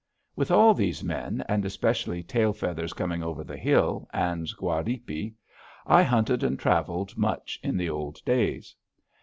With all these men, and especially Tail Feathers Coming over the Hill and Guardipe, I hunted and traveled much in the old days.